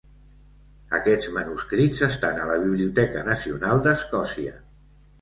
Aquests manuscrits estan a la Biblioteca Nacional d'Escòcia.